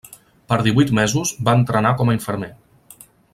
Per divuit mesos va entrenar com a infermer.